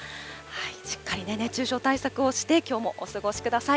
しっかり熱中症対策をしてお過ごしください。